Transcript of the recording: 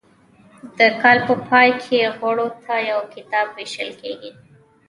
د کال په پای کې غړو ته یو کتاب ویشل کیږي.